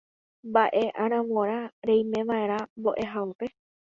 Mba'e aravorã reimeva'erã mbo'ehaópe.